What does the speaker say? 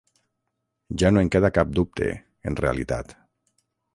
Ja no en queda cap dubte, en realitat.